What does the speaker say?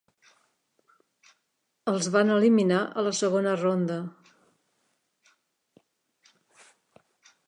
Els van eliminar a la segona ronda.